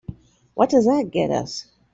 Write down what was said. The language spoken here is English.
What does that get us?